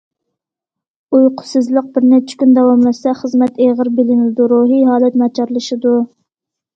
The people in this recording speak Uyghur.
ئۇيقۇسىزلىق بىر نەچچە كۈن داۋاملاشسا، خىزمەت ئېغىر بىلىنىدۇ، روھىي ھالەت ناچارلىشىدۇ.